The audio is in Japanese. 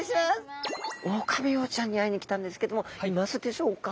オオカミウオちゃんに会いに来たんですけどもいますでしょうか？